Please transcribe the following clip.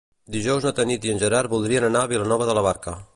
Dijous na Tanit i en Gerard voldrien anar a Vilanova de la Barca.